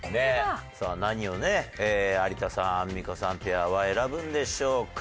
さあ何をね有田さん・アンミカさんペアは選ぶんでしょうか？